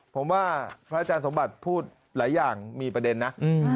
ผมว่าพระอาจารย์สมบัติพูดหลายอย่างมีประเด็นนะ